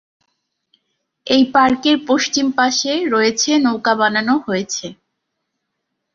এই পার্কের পশ্চিম পাশে রয়েছে নৌকা বানানো হয়েছে।